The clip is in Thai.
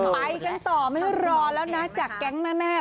ไปกันต่อไม่รอแล้วนะจากแก๊งแม่